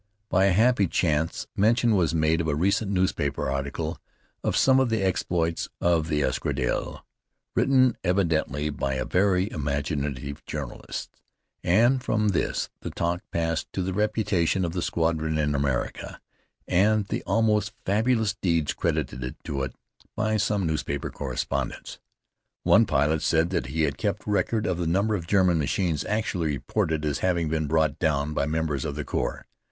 By a happy chance mention was made of a recent newspaper article of some of the exploits of the Escadrille, written evidently by a very imaginative journalist; and from this the talk passed to the reputation of the Squadron in America, and the almost fabulous deeds credited to it by some newspaper correspondents. One pilot said that he had kept record of the number of German machines actually reported as having been brought down by members of the Corps.